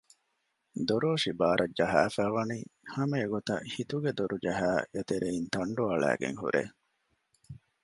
ދޮރޯށި ބާރަށް ޖަހާފައި ވަނީ ހަމަ އެގޮތަށް ހިތުގެ ދޮރުޖަހައި އެތެރެއިން ތަންޑު އަޅައިގެން ހުރޭ